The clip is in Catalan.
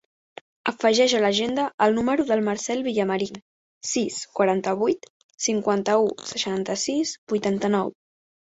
Afegeix a l'agenda el número del Marcèl Villamarin: sis, quaranta-vuit, cinquanta-u, seixanta-sis, vuitanta-nou.